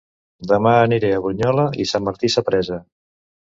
Dema aniré a Brunyola i Sant Martí Sapresa